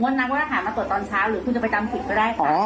งดนับราคามาตรวจตอนเช้าหรือคุณจะไปจำผิดก็ได้ค่ะ